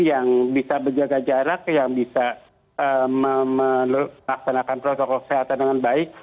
yang bisa menjaga jarak yang bisa melaksanakan protokol kesehatan dengan baik